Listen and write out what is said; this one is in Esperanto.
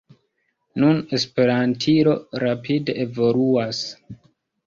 Nun Esperantilo rapide evoluas.